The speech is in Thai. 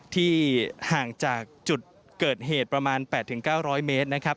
ที่ห่างจากจุดเกิดเหตุประมาณ๘๙๐๐เมตร